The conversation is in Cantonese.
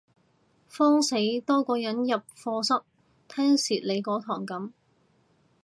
慌死多個人入課室聽蝕你嗰堂噉